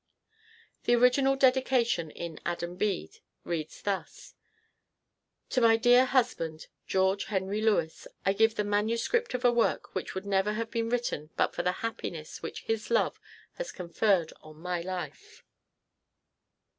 The original dedication in "Adam Bede" reads thus: "To my dear husband, George Henry Lewes, I give the manuscript of a work which would never have been written but for the happiness which his love has conferred on my life."